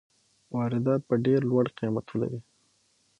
واردات به ډېر لوړ قیمت ولري.